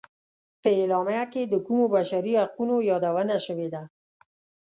په اعلامیه کې د کومو بشري حقونو یادونه شوې ده.